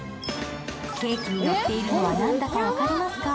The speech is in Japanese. ケーキにのっているのは何だか分かりますか。